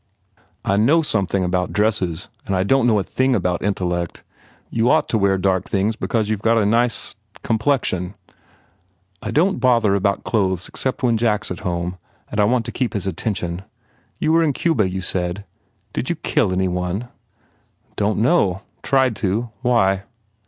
"I know something about dresses and I don t 39 THE FAIR REWARDS know a thing about intellect. You ought to wear dark things because you ve got such a nice sk complexion. 1 * "I don t bother about clothes except when Jack s at home and I want to keep his attention. ... You were in Cuba, you said? Did you kill any one?" "Don t know. Tried to. Why?"